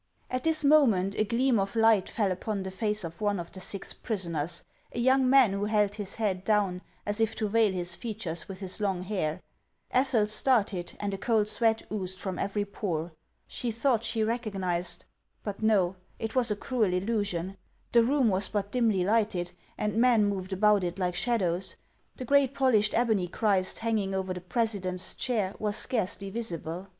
At this moment a gleam of light fell upon the face of one of the six prisoners, a young man who held his head down, as if to veil his features with his long hair. Ethel started, and a cold sweat oozed from every pore. She thought she recognized— But no; it was a cruel illusion. The room was but dimly lighted, and men moved about it like shadows ; the great polished ebony Christ hanging over the president's chair was scarcely visible.